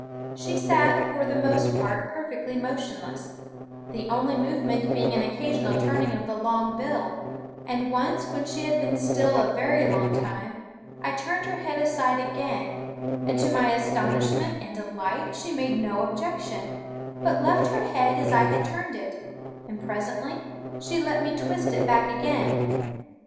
She sat for the most part perfectly motionless, the only movement being an occasional turning of the long bill; and once when she had been still a very long time, I turned her head aside again, and to my astonishment and delight she made no objection, but left her head as I had turned it, and presently she let me twist it back again.